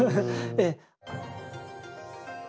ええ。